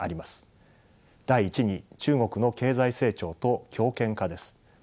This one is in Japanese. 第１に中国の経済成長と強権化です。